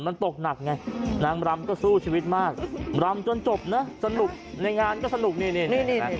มันตกหนักไงนางรำก็สู้ชีวิตมากรำจนจบนะสนุกในงานก็สนุกนี่นี่